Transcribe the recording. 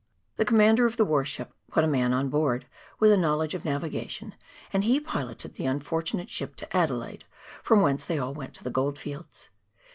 The commander of the warship put a man on board, with a knowledge of navigation, and he piloted the unfortunate ship to Adelaide, from whence they all went to the goldfields.